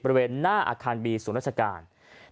บริเวณหน้าอาคารบีศูนย์ราชการ